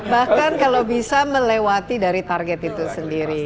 bahkan kalau bisa melewati dari target itu sendiri